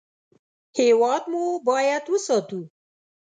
هېواد مو باید وساتو